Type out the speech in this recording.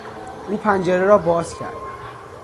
او پنجره را باز کرد.